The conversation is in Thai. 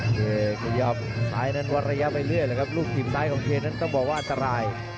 โอเคก๋ยฟซ้ายนั้นวรรยาไปเรื่อยเลยครับลูกทีมซ้ายของเทนนั่นต้องเบาะว่าตราย